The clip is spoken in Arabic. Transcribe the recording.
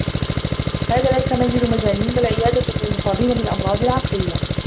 هذا ليس منزل مجانين، بل عيادة للمصابين بالأمراض العقليّة.